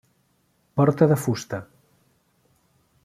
Porta de fusta.